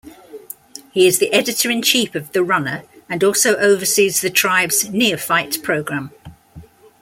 He is the editor-in-chief of "The Runner" and also oversees the tribe's Neophyte program.